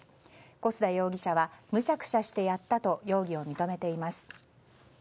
小須田容疑者はむしゃくしゃしてやったと容疑を認めています。